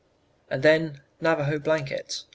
"And then, Navajo blankets.